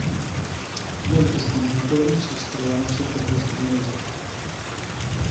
Moitos condutores estreábanse por vez primeira.